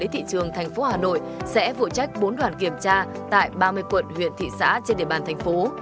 thị trường thành phố hà nội sẽ vụ trách bốn đoàn kiểm tra tại ba mươi quận huyện thị xã trên địa bàn thành phố